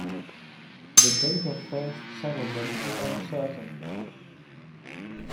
The date of first settlement is uncertain.